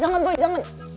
jangan boy jangan